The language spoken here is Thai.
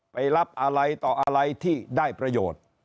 ไปรับอะไรต่ออะไรที่ได้ประโยชน์